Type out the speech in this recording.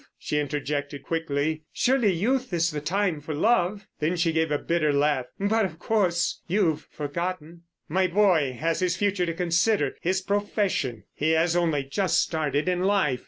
she interjected quickly. "Surely youth is the time for love!" Then she gave a bitter laugh. "But, of course, you've forgotten." "My boy has his future to consider, his profession. He has only just started in life.